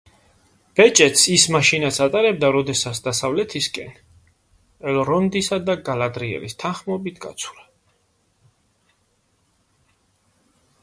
ბეჭედს ის მაშინაც ატარებდა, როდესაც დასავლეთისკენ, ელრონდისა და გალადრიელის თანხლებით გაცურა.